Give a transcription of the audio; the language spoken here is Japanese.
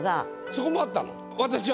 そこもあったの。